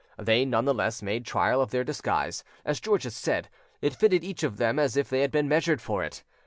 They none the less made trial of their disguise: as George had said, it fitted each of them as if they had been measured for it.